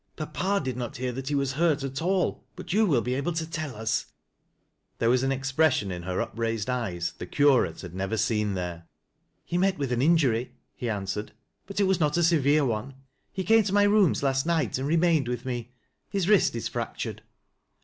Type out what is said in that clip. " Papa did not hear that he was hurl at all, but you will be able to tell us." 80 THAT LASS 0' LOWBIE'S. There was an expression in her upraised eyes the Ourau had never seen there. " He met with an injury," he answered, " but it waa not a severe one. He came to my rooms last night and remained with me. His wrist is fractured."